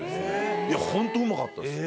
いや本当うまかったですよ。